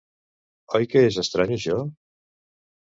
Oi que és estrany, això?